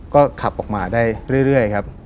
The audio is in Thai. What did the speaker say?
ก็ขับออกมาได้เรื่อยครับ